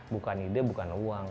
bukan ide bukan uang